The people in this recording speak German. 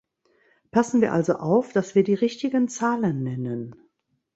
Passen wir also auf, dass wir die richtigen Zahlen nennen!